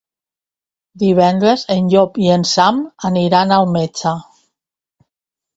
Divendres en Llop i en Sam aniran al metge.